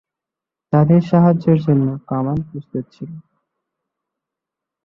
তাদের সাহায্যের জন্য কামান প্রস্তুত ছিল।